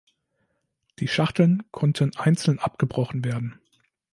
Die Schachteln konnten einzeln abgebrochen werden.